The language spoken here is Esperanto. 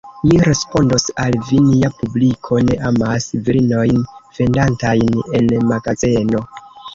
Mi respondos al vi: nia publiko ne amas virinojn vendantajn en magazeno.